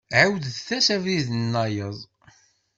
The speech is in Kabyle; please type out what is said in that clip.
Ɛiwed-as abrid-nnayeḍ.